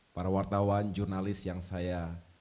para wartawan jurnalis yang saya